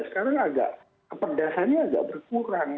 sekarang agak kepedasannya agak berkurang